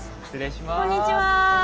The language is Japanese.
こんにちは。